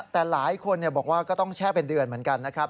แต่หลายคนบอกว่าก็ต้องแช่เป็นเดือนเหมือนกันนะครับ